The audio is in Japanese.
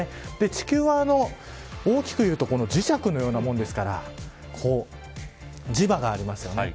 地球は大きくいうと磁石のようなものですから磁場がありますよね。